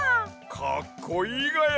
かっこいいがや！